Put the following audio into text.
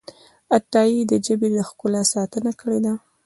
عطايي د ژبې د ښکلا ساتنه کړې ده.